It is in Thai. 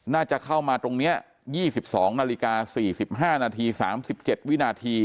น่าจะเข้ามาตรงนี้๒๒นาฬิกา๔๕นาที๓๗วินาที